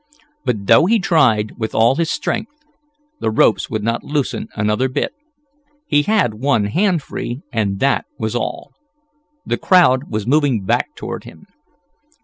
But, though he tried with all his strength, the ropes would not loosen another bit. He had one hand free, and that was all. The crowd was moving back toward him.